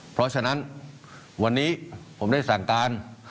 เพราะฉะนั้นวันนี้ผมได้สั่งการ